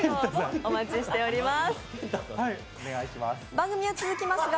お待ちしております。